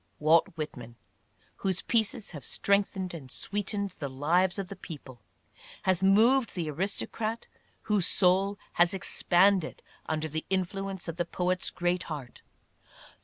Walt Whitman, whose pieces have strengthened and sweetened the lives of the people, has moved the aristocrat, whose soul has expanded under the influence of the poet's great heart.